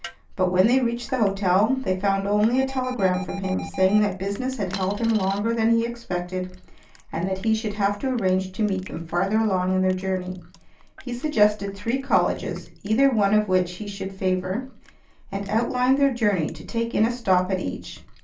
But, when they reached the hotel, they found only a telegram from him saying that business had held him longer than he expected and that he should have to arrange to meet them farther along in their journey. He suggested three colleges, either one of which he should favor, and outlined their journey to take in a stop at each.